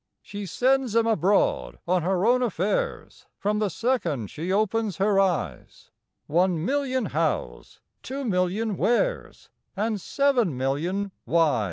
She sends 'em abroad on her own affairs, From the second she opens her eyes One million Hows, two million Wheres, And seven million Whys!